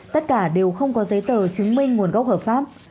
tất cả đều không có giấy tờ chứng minh nguồn gốc hợp pháp